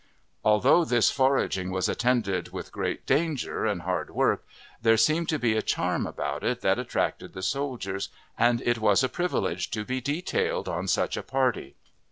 Although this foraging was attended with great danger and hard work, there seemed to be a charm about it that attracted the soldiers, and it was a privilege to be detailed on such a party.